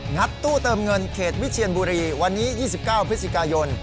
ัดตู้เติมเงินเขตวิเชียนบุรีวันนี้๒๙พฤศจิกายน